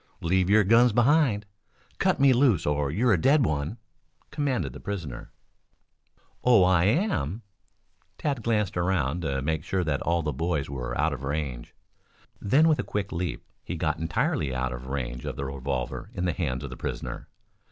Leave your guns behind. Cut me loose or you're a dead one," commanded the prisoner. "Oh, am I?" Tad glanced around to make sure that all the boys were out of range. Then with a quick leap he got entirely out of range of the revolver in the hands of the prisoner.